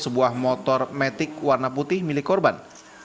sebuah motor metik warna putih milik korban